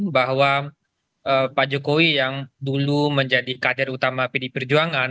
bahwa pak jokowi yang dulu menjadi kader utama pd perjuangan